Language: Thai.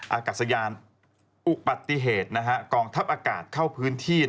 อากาศยานอุบัติเหตุกองทัพอากาศเข้าพื้นที่